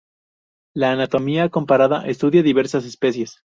La Anatomía comparada estudia diversas especies.